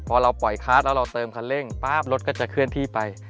พอเราปล่อยคาร์ดแล้วเราเติมคันเร่งป๊าบรถก็จะเคลื่อนที่ไป